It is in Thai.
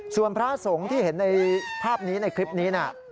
ส่วนพระสงฆ์ที่เห็นในภาพนี้ในคลิปนี้นะ